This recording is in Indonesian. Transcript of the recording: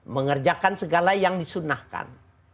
mengerjakan segala yang disunahkan